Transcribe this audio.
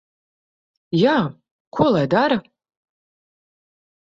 Jā. Ko lai dara?